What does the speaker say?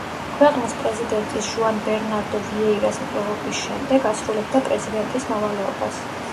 ქვეყნის პრეზიდენტის ჟოან ბერნარდო ვიეირას მკვლელობის შემდეგ ასრულებდა პრეზიდენტის მოვალეობას.